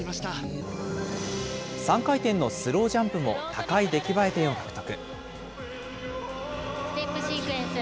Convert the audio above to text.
３回転のスロージャンプも高い出来栄え点を獲得。